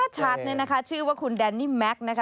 ชัดหนึ่งชื่อว่าคุณแดนี่แม็กซ์